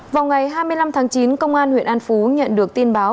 vào ngày hai mươi năm tháng chín công an huyện an phú nhận được tin báo